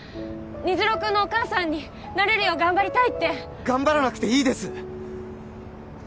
虹朗君のお母さんになれるよう頑張りたいって頑張らなくていいです！